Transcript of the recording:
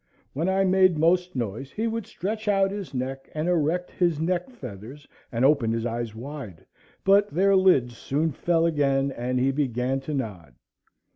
When I made most noise he would stretch out his neck, and erect his neck feathers, and open his eyes wide; but their lids soon fell again, and he began to nod.